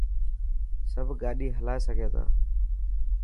سب گاڏي هلائي سگهان ٿا.